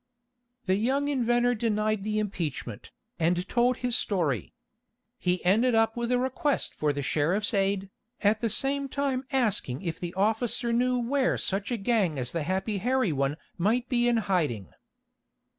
The young inventor denied the impeachment, and told his story. He ended up with a request for the sheriff's aid, at the same time asking if the officer knew where such a gang as the Happy Harry one might be in hiding.